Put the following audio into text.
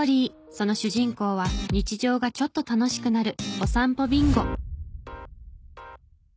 その主人公は日常がちょっと楽しくなるおさんぽＢＩＮＧＯ。